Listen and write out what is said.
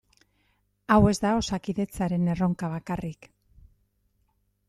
Hau ez da Osakidetzaren erronka bakarrik.